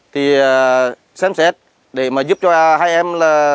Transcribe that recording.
thì xem xét để giúp cho hai em